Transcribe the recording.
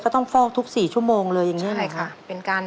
ก็ต้องฟอกทุก๔ชั่วโมงเลยอย่างนี้เหรอคะใช่ค่ะ